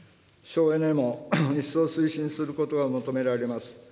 省エネも一層推進することが求められます。